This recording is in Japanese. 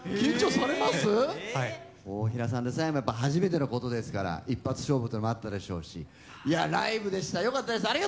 ええはい大平さんでさえもやっぱ初めてのことですから一発勝負ってのもあったでしょうしいやライブでしたよかったです